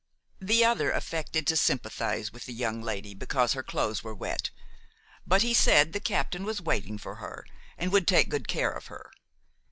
The other affected to sympathize with the young lady because her clothes were wet; but, he said, the captain was waiting for her and would take good care of her.